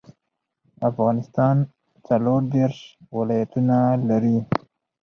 افغانستان څلور ديرش ولايتونه لري.